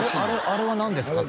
あれは何ですか？